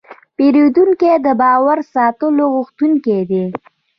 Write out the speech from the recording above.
پیرودونکی د باور ساتلو غوښتونکی دی.